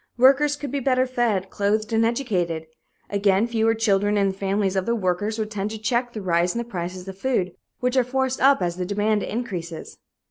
Workers could be better fed, clothed and educated. Again, fewer children in the families of the workers would tend to check the rise in the prices of food, which are forced up as the demand increases.